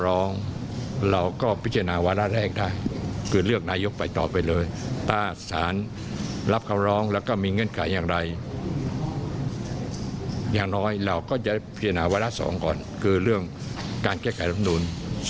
ก็จะพิจารณาวาระ๒ก่อนคือเรื่องการแก้ไกลรับนูน๒๗๒